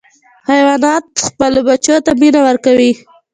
حیوانات خپلو بچیو ته مینه ورکوي.